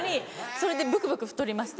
それでブクブク太りました。